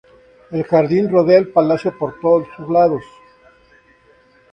El jardín rodeaba el palacio por todos sus lados.